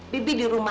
bibi di rumah